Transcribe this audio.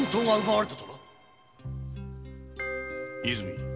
和泉。